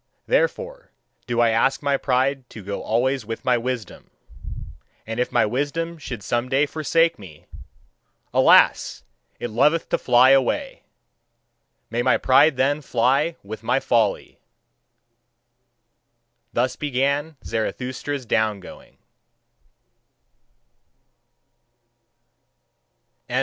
Therefore do I ask my pride to go always with my wisdom! And if my wisdom should some day forsake me: alas! it loveth to fly away! may my pride then fly with my folly!" Thus began Zarathustra's down going.